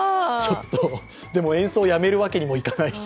でも演奏をやめるわけにもいかないし。